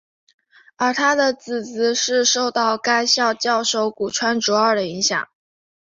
而他的姊姊是受到该校教授古川竹二的影响。